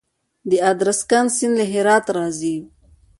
د ادرسکن سیند له هرات راځي